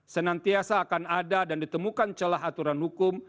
senantiasa akan ada dan ditemukan celah aturan hukum